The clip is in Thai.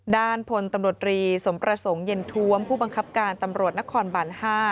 ด้านพลตำรวจรีสมประสงค์เย็นท้วมผู้บังคับการตำรวจนครบาน๕